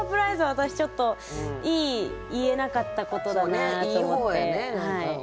私ちょっといい「言えなかったこと」だなと思って聞いてました。